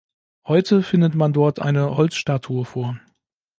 Heute findet man dort eine Holzstatue vor.